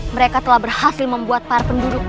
mereka telah berhasil membuat para penduduk